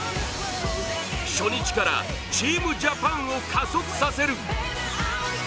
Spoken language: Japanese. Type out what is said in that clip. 初日からチームジャパンを加速させる。